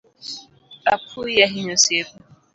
Apuoyi ahinya Osiepa.